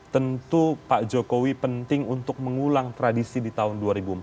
tentu pak jokowi penting untuk mengulang tradisi di tahun dua ribu empat belas